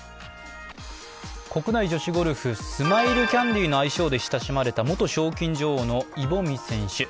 国内女子ゴルフ、スマイルキャンディーの愛称で親しまれた元賞金女王のイ・ボミ選手。